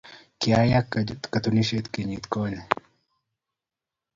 Kiyaak katunisiet kenyit konye